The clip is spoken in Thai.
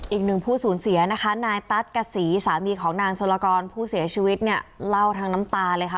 อีกหนึ่งผู้สูญเสียนะคะนายตั๊ดกษีสามีของนางชลกรผู้เสียชีวิตเนี่ยเล่าทั้งน้ำตาเลยค่ะ